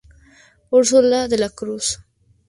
Úrsula de la Cruz.